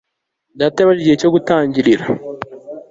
Data yabajije igihe cyo gutangirira